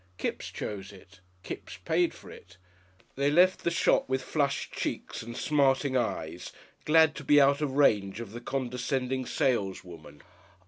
Kipps chose it. Kipps paid for it. They left the shop with flushed cheeks and smarting eyes, glad to be out of range of the condescending saleswoman.